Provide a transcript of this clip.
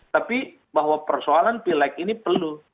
tapi bahwa persoalan pileg ini perlu